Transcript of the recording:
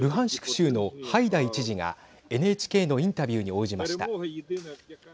州のハイダイ知事がＮＨＫのインタビューに応じました。